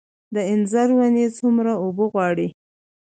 د انځر ونې څومره اوبه غواړي؟